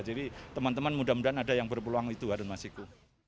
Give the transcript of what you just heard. jadi teman teman mudah mudahan ada yang berpeluang itu harun masiku